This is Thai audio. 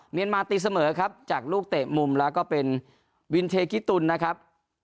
เมียนมาตีเสมอครับจากลูกเตะมุมแล้วก็เป็นวินเทกิตุลนะครับ